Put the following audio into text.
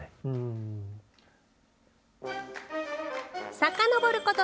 さかのぼること